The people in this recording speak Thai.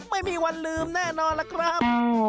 ไม่มีวันลืมแน่นอนล่ะครับ